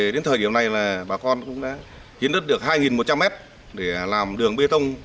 đến thời điểm này là bà con cũng đã hiến đất được hai một trăm linh mét để làm đường bê tông